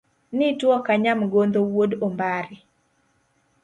Nituo ka nyamgodho wuod ombare